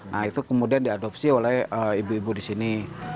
nah itu kemudian diadopsi oleh ibu ibu di sini